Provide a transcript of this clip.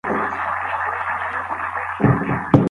ما د رسول الله صلی الله عليه وسلم څخه اوريدلي دي.